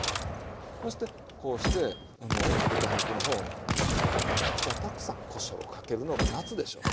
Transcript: そしてこうして豚肉の方にめちゃくちゃたくさんこしょうをかけるのが夏でしょ。